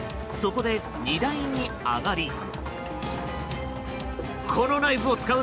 そこで、荷台に上がり。